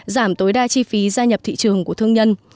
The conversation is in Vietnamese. giảm tối đa chi phí gia nhập thị trường của thương nhân